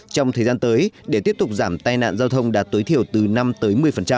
trong thời gian tới để tiếp tục giảm tai nạn giao thông đạt tối thiểu từ năm tới một mươi